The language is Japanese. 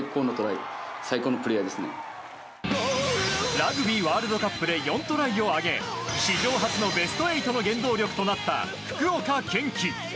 ラグビーワールドカップで４トライを挙げ史上初のベスト８の原動力となった福岡堅樹。